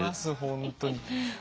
本当に。